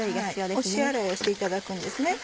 押し洗いをしていただくんですね。